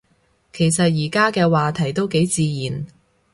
其實而家啲話題都幾自然